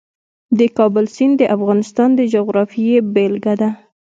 د کابل سیند د افغانستان د جغرافیې بېلګه ده.